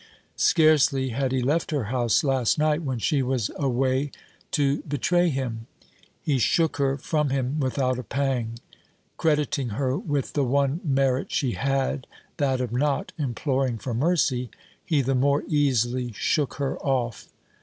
Scarcely had he left her house last night when she was away to betray him! He shook her from him without a pang. Crediting her with the one merit she had that of not imploring for mercy he the more easily shook her off.